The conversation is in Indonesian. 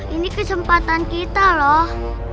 ini kesempatan kita loh